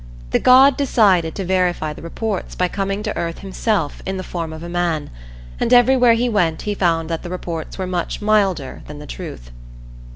The god decided to verify the reports by coming to earth himself in the form of a man, and everywhere he went he found that the reports were much milder than the truth.